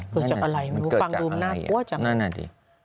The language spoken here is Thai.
เกิดจากอะไรความรู้นาบกลัวจากอะไร